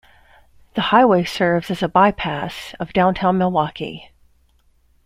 The highway serves as a bypass of downtown Milwaukee.